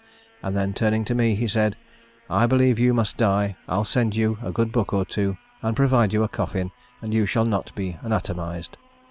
And then turning to me, he said, "I believe you must die I'll send you a good book or two, and provide you a coffin, and you shall not be anatomised."